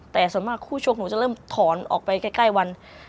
แต่ส่วนมากคู่ชกหนูจะเริ่มถอนออกไปใกล้วัน